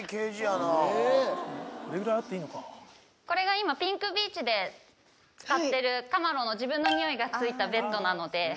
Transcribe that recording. これが今ピンクビーチで使ってるカマロの自分のニオイがついたベッドなので。